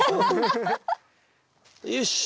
よし。